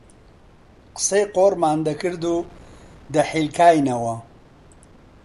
قسەی قۆڕمان دەکرد و دەحیلکاینەوە